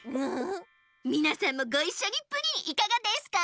みなさんもごいっしょにプリンいかがですか？